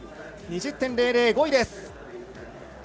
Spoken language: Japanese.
２０．００、５位です。